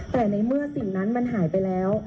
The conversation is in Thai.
แต่ในเมื่อสิ่งนั้นมันหายไปแล้ว